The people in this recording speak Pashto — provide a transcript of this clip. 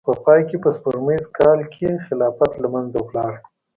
په پای کې په سپوږمیز کال کې خلافت له منځه لاړ.